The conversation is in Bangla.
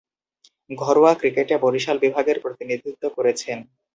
ঘরোয়া ক্রিকেটে বরিশাল বিভাগের প্রতিনিধিত্ব করেছেন।